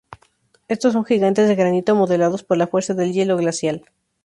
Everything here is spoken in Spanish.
Estos son gigantes de granito modelados por la fuerza del hielo glacial.